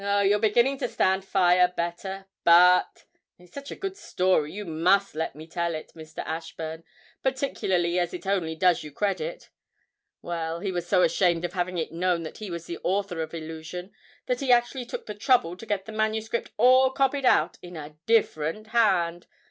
'Oh, you're beginning to stand fire better. But (it's such a good story you must let me tell it, Mr. Ashburn, particularly as it only does you credit). Well, he was so ashamed of having it known that he was the author of "Illusion," that he actually took the trouble to get the manuscript all copied out in a different hand!